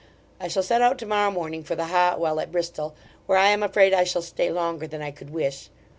I shall set out tomorrow morning for the Hot Well at Bristol, where I am afraid I shall stay longer than I could wish.